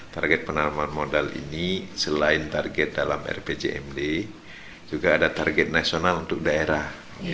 target penanaman modal ini selain target dalam rpjmd juga ada target nasional untuk daerah